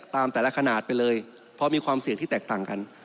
ตามแต่ละขนาดไปเลยเพราะมีความเสี่ยงที่แตกต่างกัน